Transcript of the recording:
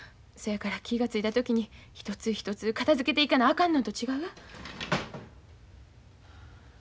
そやから気が付いた時に一つ一つ片づけていかなあかんのと違う？